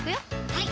はい